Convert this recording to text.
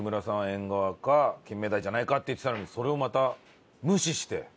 えんがわか金目鯛じゃないかって言ってたのにそれをまた無視して。